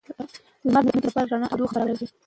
لمر د ځمکې لپاره رڼا او تودوخه برابروي